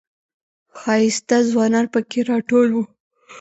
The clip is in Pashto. ښایسته ځوانان پکې راټول و.